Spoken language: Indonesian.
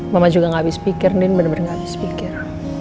mama juga gak abis pikir ndin bener bener gak abis pikir